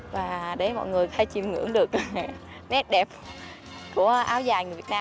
và để mọi người hay chìm ngưỡng được nét đẹp của hoa